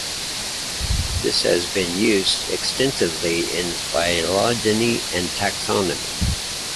This has been used extensively in phylogeny and taxonomy.